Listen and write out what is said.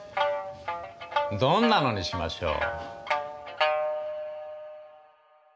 どんなのにしましょう。